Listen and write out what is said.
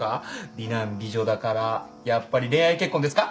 美男美女だからやっぱり恋愛結婚ですか？